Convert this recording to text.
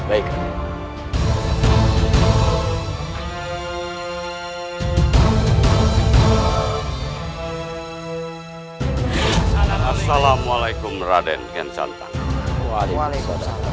assalamualaikum wr wb